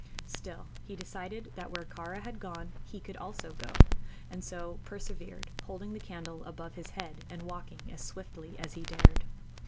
Still, he decided that where Kāra had gone he also could go, and so persevered, holding the candle above his head and walking as swiftly as he dared.